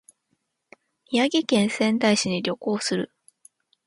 宮城県仙台市に旅行する